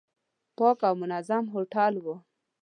پاک او منظم هوټل و.